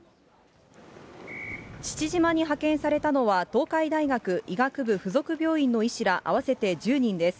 父島に派遣されたのは、東海大学医学部付属病院の医師ら合わせて１０人です。